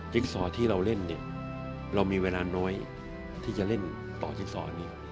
ซอที่เราเล่นเนี่ยเรามีเวลาน้อยที่จะเล่นต่อจิ๊กซอเนี่ย